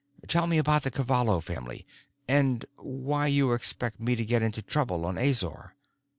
"Tell me about the Cavallo family—and why you expect me to get in trouble on Azor."